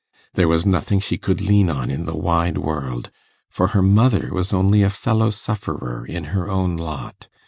There was nothing she could lean on in the wide world, for her mother was only a fellow sufferer in her own lot.